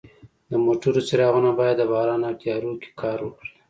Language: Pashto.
د موټرو څراغونه باید د باران او تیارو کې کار وکړي.